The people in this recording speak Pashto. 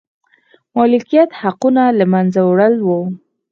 مالکیت حقونو له منځه وړل و.